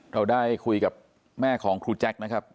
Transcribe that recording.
เราได้คุยกับแม่ของครูแจ็คนะครับ